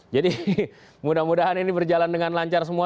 jadi mudah mudahan ini berjalan dengan lancar semua